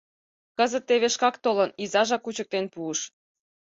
Кызыт теве шкак толын, изажак кучыктен пуыш.